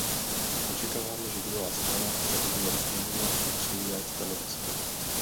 Očekáváme, že druhá strana zaujme stejně upřímné stanovisko.